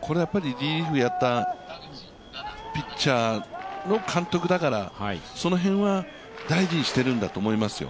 これはリリーフをやったピッチャーの監督だからその辺は大事にしてるんだと思いますよ。